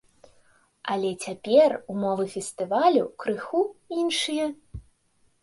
Але цяпер умовы фестывалю крыху іншыя.